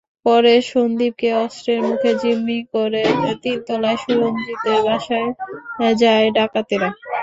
পরে সন্দীপকে অস্ত্রের মুখে জিম্মি করে তিনতলায় সুরঞ্জিতের বাসায় যায় ডাকাতেরা।